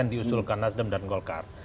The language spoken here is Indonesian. itu adalah sulkarnasdem dan golkar